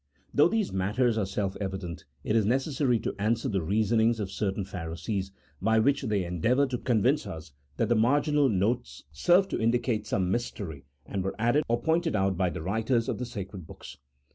Though these matters are self evident, it is necessary to answer the reasonings of certain Pharisees, by which they endeavour to convince us that the marginal notes serve to indicate some mystery and were added or pointed out by the writers of the sacred books.